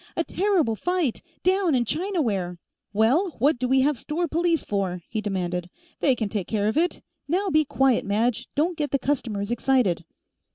"A terrible fight, down in Chinaware !" "Well, what do we have store police for?" he demanded. "They can take care of it. Now be quiet, Madge; don't get the customers excited!"